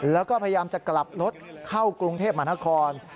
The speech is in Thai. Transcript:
แล้วก็พยายามจะกลับรถเข้ากรุงเทพมหานคร